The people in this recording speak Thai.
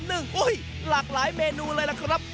โอ้โหหลากหลายเมนูเลยล่ะครับ